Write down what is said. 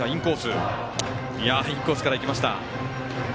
インコースからいきました！